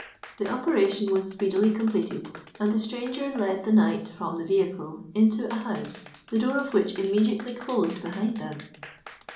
The operation was speedily completed; and the stranger led the knight from the vehicle, into a house, the door of which immediately closed behind them.